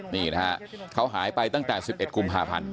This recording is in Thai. นี่นะฮะเขาหายไปตั้งแต่๑๑กุม๕๐๐๐